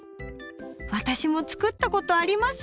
私も作ったことあります！